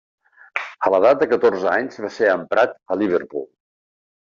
A l'edat de catorze anys va ser emprat a Liverpool.